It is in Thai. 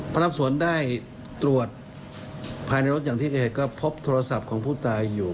พนักงานสอบสวนได้ตรวจภายในรถอย่างที่เอกก็พบโทรศัพท์ของผู้ตายอยู่